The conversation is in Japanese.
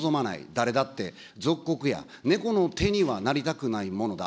誰だって、属国や猫の手にはなりたくないものだ。